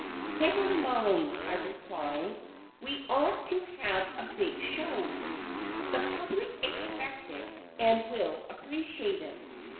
"Never mind," I reply, "we ought to have a big show the public expect it, and will appreciate it."